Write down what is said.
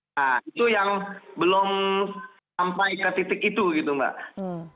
nah itu yang belum sampai ke titik itu gitu mbak